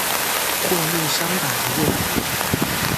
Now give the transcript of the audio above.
混入香港的問題